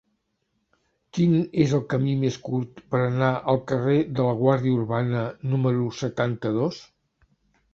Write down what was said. Quin és el camí més curt per anar al carrer de la Guàrdia Urbana número setanta-dos?